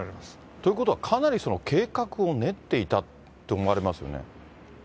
ということは、かなり計画を練っていたと思われますよね。